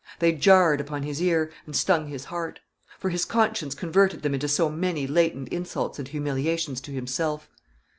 They jarred upon his ear, and stung his heart; for his conscience converted them into so many latent insults and humiliations to himself.